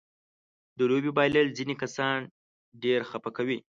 د لوبې بایلل ځينې کسان ډېر خپه کوي.